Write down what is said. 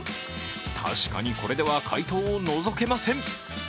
確かに、これでは解答をのぞけません。